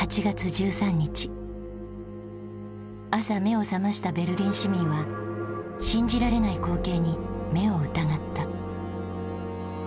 朝目を覚ましたベルリン市民は信じられない光景に目を疑った。